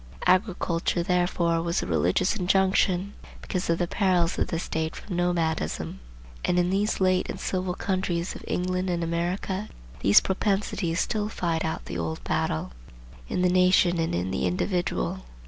Agriculture therefore was a religious injunction, because of the perils of the state from nomadism. And in these late and civil countries of England and America these propensities still fight out the old battle, in the nation and in the individual.